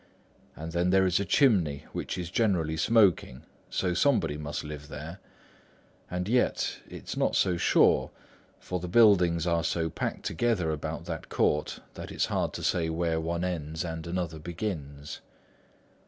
And then there is a chimney which is generally smoking; so somebody must live there. And yet it's not so sure; for the buildings are so packed together about the court, that it's hard to say where one ends and another begins."